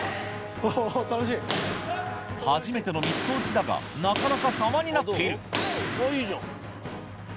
初めてのミット打ちだがなかなか様になっているはい！